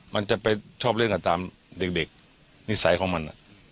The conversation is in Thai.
มันจะไปชอบเล่นกันตามเด็กนิสัยของมัน